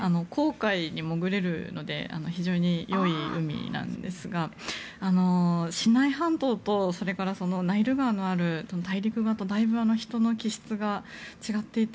潜れるので非常に良い海なんですがシナイ半島とナイル川のある大陸側ではだいぶ、人の気質が違っていて